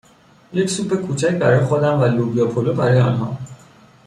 یک سوپ کوچک برای خودم و لوبیا پلو برای آنها